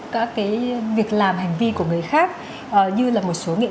các cái việc làm hành vi của người khác như là một số nghệ nhân